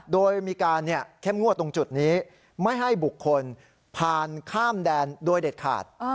โดยมีการเข้มงวดตรงจุดนี้ไม่ให้บุคคลผ่านข้ามแดนโดยเด็ดขาด